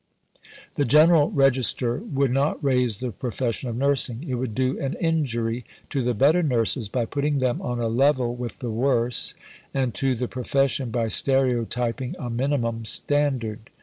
The General Register would not raise the profession of nursing; it would do an injury to the better nurses by putting them on a level with the worse, and to the profession by stereotyping a minimum standard.